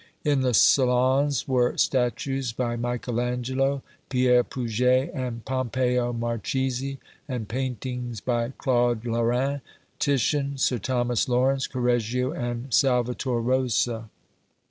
In the salons were statues by Michael Angelo, Pierre Puget and Pompeo Marchesi, and paintings by Claude Lorraine, Titian, Sir Thomas Lawrence, Correggio and Salvator Rosa.